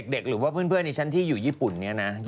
เด็กหรือว่าเพื่อนที่อยู่ญี่ปุ่นเนี่ยนะ